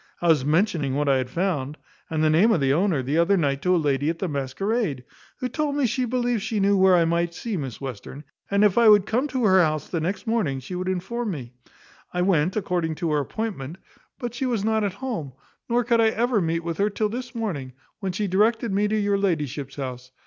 I was mentioning what I had found, and the name of the owner, the other night to a lady at the masquerade, who told me she believed she knew where I might see Miss Western; and if I would come to her house the next morning she would inform me, I went according to her appointment, but she was not at home; nor could I ever meet with her till this morning, when she directed me to your ladyship's house.